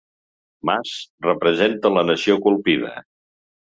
Mas representa la nació colpida